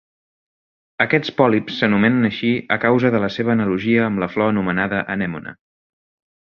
Aquests pòlips s'anomenen així a causa de la seva analogia amb la flor anomenada anemone.